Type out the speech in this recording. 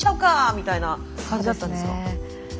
みたいな感じだったんですか？